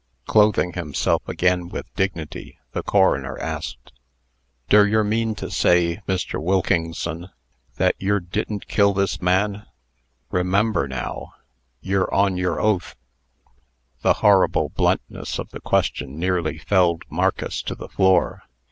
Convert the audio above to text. Clothing himself again with dignity, the coroner asked: "Der yer mean to say, Mr. Wilkingson, that yer didn't kill this man? Remember, now, yer on yer oath!" The horrible bluntness of the question nearly felled Marcus to the floor.